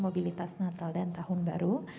mobilitas natal dan tahun baru